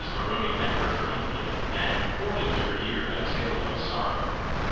Maroney met her kindly, and poured into her ear a tale of sorrow.